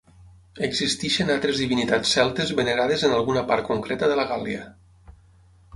Existeixen altres divinitats celtes venerades en alguna part concreta de la Gàl·lia.